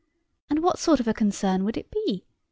And what sort of a concern would it be?